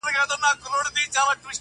زما خوښيږي پر ماگران دى د سين تـورى.